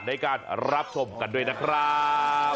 ในการรับชมกันด้วยนะครับ